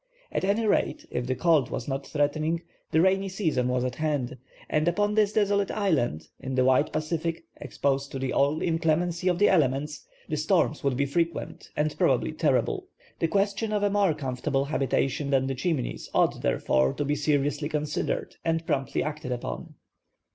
At any rate, if the cold was not threatening, the rainy season was at hand, and upon this desolate island, in the wide Pacific, exposed to all the inclemency of the elements, the storms would be frequent, and, probably, terrible. The question of a more comfortable habitation than the Chimneys ought, therefore, to be seriously considered, and promptly acted upon.